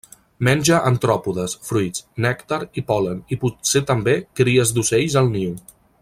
Menja artròpodes, fruits, nèctar i pol·len, i potser també, cries d'ocells al niu.